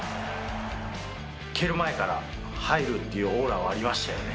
蹴る前から入るっていうオーラはありましたよね。